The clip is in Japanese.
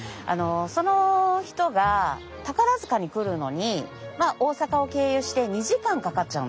その人が宝塚に来るのに大阪を経由して２時間かかっちゃうんですよ。